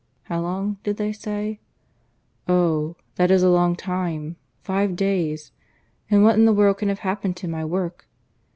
how long, did they say? ... Oh! that is a long time. Five days! And what in the world can have happened to my work?